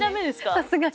さすがに。